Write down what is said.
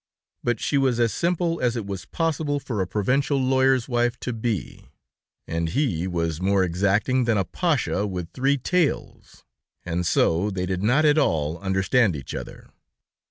But she was as simple as it was possible for a provincial lawyer's wife to be, and he was more exacting than a pascha with three tails, and so they did not at all understand each other.